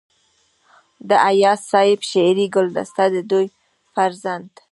د اياز صيب شعري ګلدسته دَ دوي فرزند